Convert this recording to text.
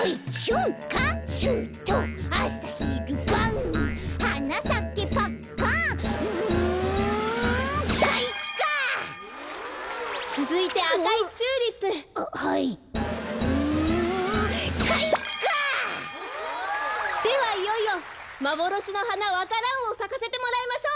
「うんかいか！」ではいよいよまぼろしのはなわか蘭をさかせてもらいましょう。